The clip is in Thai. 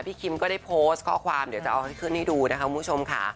คิมก็ได้โพสต์ข้อความเดี๋ยวจะเอาให้ขึ้นให้ดูนะคะคุณผู้ชมค่ะ